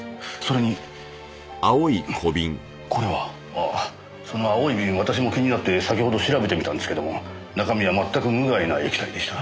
ああその青い瓶私も気になって先ほど調べてみたんですけども中身はまったく無害な液体でした。